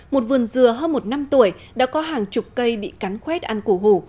một vườn dừa hơn một năm tuổi đã có hàng chục cây bị cắn khuét ăn cổ hù